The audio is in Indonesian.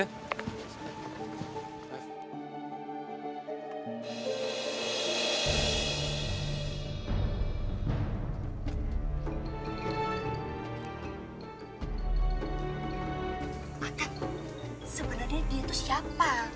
sebenarnya dia itu siapa